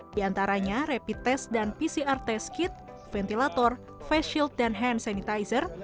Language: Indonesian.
di antaranya rapid test dan pcr test kit ventilator face shield dan hand sanitizer